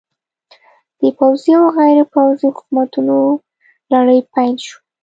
د پوځي او غیر پوځي حکومتونو لړۍ پیل شوه.